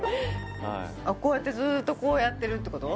こうやってずーっとこうやってるってこと？